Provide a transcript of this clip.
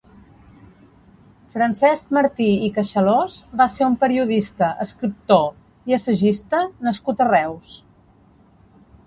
Francesc Martí i Queixalós va ser un periodista escrptor i assagista nascut a Reus.